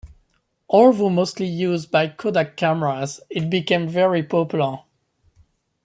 Although mostly used by Kodak cameras, it became very popular.